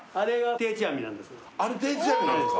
定置網なんですか？